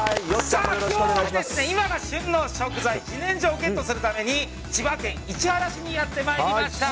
さあ、今日は今が旬の食材自然薯をゲットするために千葉県市原市にやってまいりました。